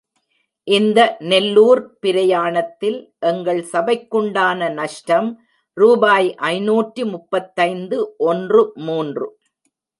இந்த நெல்லூர்ப் பிரயாணத்தில், எங்கள் சபைக்குண்டான நஷ்டம் ரூபாய் ஐநூற்று முப்பத்தைந்து ஒன்று மூன்று.